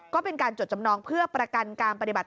ก็เป็นการจดจำนองเพื่อประกันการปฏิบัติ